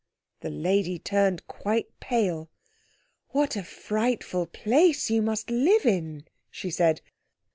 The lady turned quite pale. "What a frightful place you must live in!" she said.